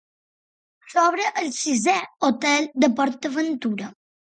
S'obre el sisè hotel de PortAventura.